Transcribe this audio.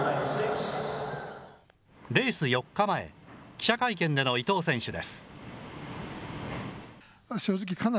レース４日前、記者会見での伊藤選手です。